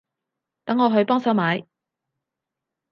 等我去幫手買